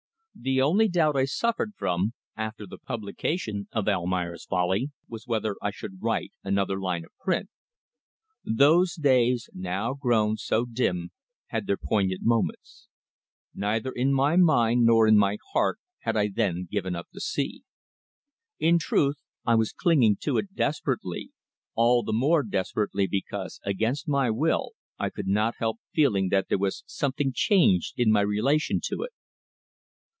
The only doubt I suffered from, after the publication of "Almayer's Folly," was whether I should write another line for print. Those days, now grown so dim, had their poignant moments. Neither in my mind nor in my heart had I then given up the sea. In truth I was clinging to it desperately, all the more desperately because, against my will, I could not help feeling that there was something changed in my relation to it.